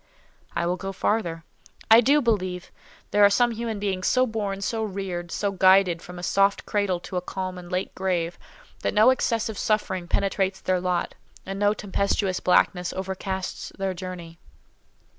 I will go farther. I do believe there are some human beings so born, so reared, so guided from a soft cradle to a calm and late grave, that no excessive suffering penetrates their lot, and no tempestuous blackness overcasts their journey.